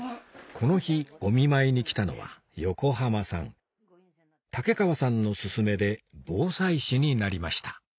この日お見舞いに来たのは竹川さんの勧めで防災士になりました